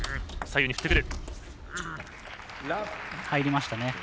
入りましたね。